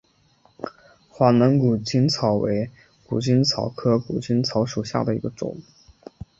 华南谷精草为谷精草科谷精草属下的一个种。